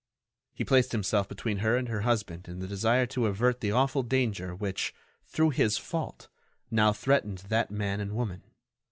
He placed himself between her and her husband in the desire to avert the awful danger which, through his fault, now threatened that man and woman.